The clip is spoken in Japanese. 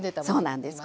そうなんです。